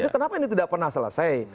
kenapa ini tidak pernah selesai